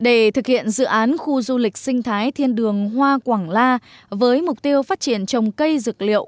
để thực hiện dự án khu du lịch sinh thái thiên đường hoa quảng la với mục tiêu phát triển trồng cây dược liệu